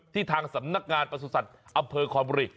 ที่ทางสำนักงานประสุนสรรค์อำเภอคอนบุรี